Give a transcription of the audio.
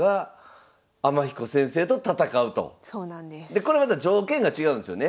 でこれまた条件が違うんですよね？